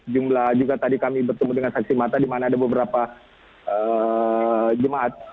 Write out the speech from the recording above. jumlah juga tadi kami bertemu dengan saksi mata di mana ada beberapa jemaat